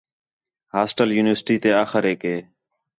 ہاسٹل یونیورسٹی تے آخریک ہِے